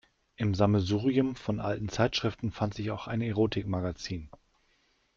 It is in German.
Im Sammelsurium von alten Zeitschriften fand sich auch ein Erotikmagazin.